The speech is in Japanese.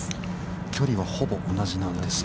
◆距離はほぼ同じなんですが。